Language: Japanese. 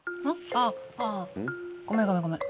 あああごめんごめんごめん。